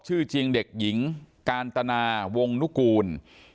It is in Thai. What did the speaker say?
ชื่อจริงเด็กหญิงกาญตนาวงนุกูล